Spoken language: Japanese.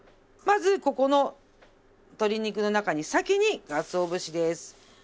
まずここの鶏肉の中に先にかつお節です。